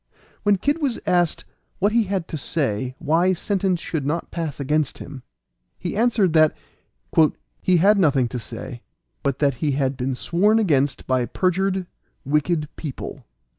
When Kid was asked what he had to say why sentence should not pass against him, he answered that "he had nothing to say, but that he had been sworn against by perjured, wicked people."